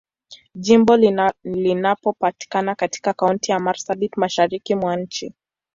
Jimbo linapatikana katika Kaunti ya Marsabit, Mashariki mwa nchi.